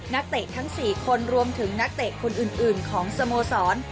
นักเตะทั้ง๔คนรวมถึงนักเตะคนอื่นของสโมสร